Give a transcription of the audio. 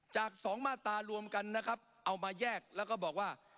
จากสองมาตรารวมกันนะครับเอามาแยกแล้วก็บอกว่า